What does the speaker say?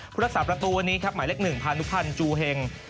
ผู้ลักษณะประตูวันนี้ครับหมายเลข๑พาณุภัณฑ์จูเฮง